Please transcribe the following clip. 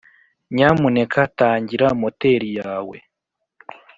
nyamuneka tangira moteri yawe.